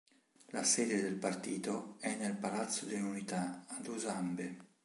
La sede del partito è nel Palazzo dell'Unità a Dušanbe.